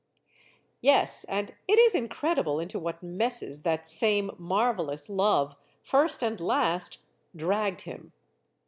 Yes, and it is incredible into what messes that same "marvelous love," first and last, dragged him.